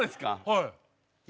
はい。